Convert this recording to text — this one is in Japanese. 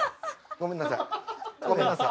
ごめんなさい。